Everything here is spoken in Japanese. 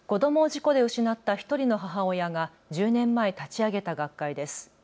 子どもを事故で失った１人の母親が１０年前、立ち上げた学会です。